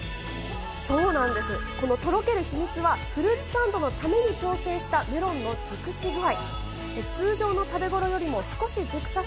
そうなんです、このとろける秘密は、フルーツサンドのために調整したメロンの熟し具合。